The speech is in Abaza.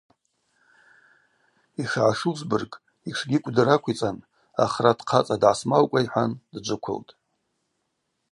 Йшгӏашузбырг йтшгьи кӏвдыр аквицӏан – ахрат хъацӏа дгӏасмаукӏва – йхӏван дджвыквылтӏ.